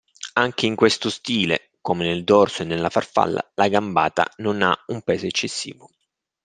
Anche in questo stile, come nel dorso e nella farfalla, la gambata non ha un peso eccessivo.